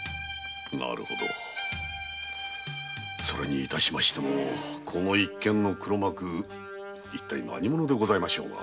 なるほどそれに致しましてもこの一件の黒幕は一体何者でございましょうか？